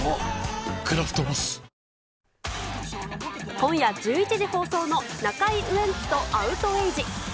今夜１１時放送の中居ウエンツとアウトエイジ。